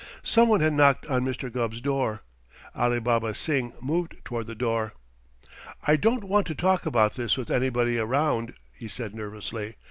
Some one had knocked on Mr. Gubb's door. Alibaba Singh moved toward the door. "I don't want to talk about this with anybody around," he said nervously.